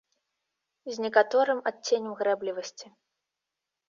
З некаторым адценнем грэблівасці.